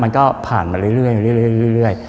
มันก็ผ่านมาเรื่อย